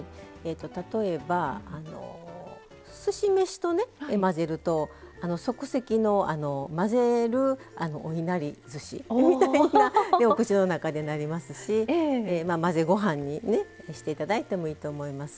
例えば、すし飯と混ぜると即席の混ぜるおいなりずしみたいなお口の中でなりますし混ぜご飯にしていただいてもいいと思います。